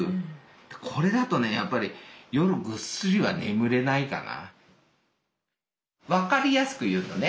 これだとねやっぱり夜ぐっすりは眠れないかな。